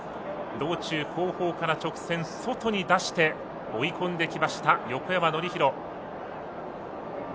道中後方から直線外に出して追い込んできました、横山典弘。